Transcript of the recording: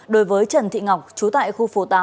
đối với trần thị ngọc trú tại khu phố tám